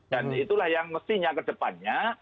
dan itulah yang mestinya kedepannya